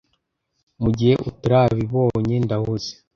Mugihe utarabibonye, ndahuze